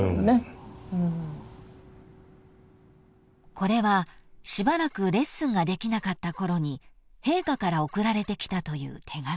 ［これはしばらくレッスンができなかったころに陛下から送られてきたという手紙］